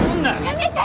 やめて！